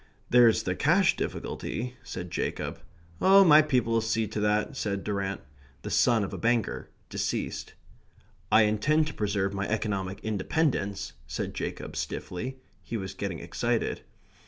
"There's the cash difficulty," said Jacob. "My people'll see to that," said Durrant (the son of a banker, deceased). "I intend to preserve my economic independence," said Jacob stiffly. (He was getting excited.)